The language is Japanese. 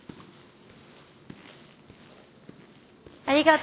ありがとう。